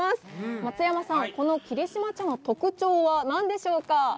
松山さん、この霧島茶の特徴は何でしょうか。